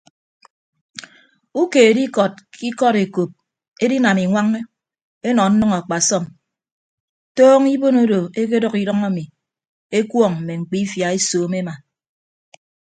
Ukeed ikọd ke ikọd ekop edinam iñwañ enọ nnʌñ akpasọm tọọñọ ibon odo ekedʌk idʌñ ami ekuọñ mme mkpiifia esoomo ema.